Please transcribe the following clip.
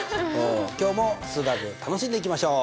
今日も数学楽しんでいきましょう。